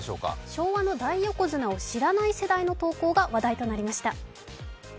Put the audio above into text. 昭和の大横綱を知らない世代の投稿が話題となりました。